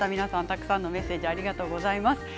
たくさんのメッセージありがとうございます。